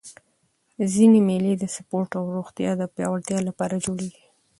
ځيني مېلې د سپورټ او روغتیا د پیاوړتیا له پاره جوړېږي.